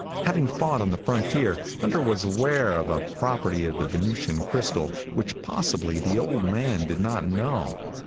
Having fought on the frontier, Hunter was aware of a property of the Venusian crystal which possibly the old man did not know.